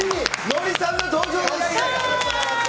ノリさんの登場です。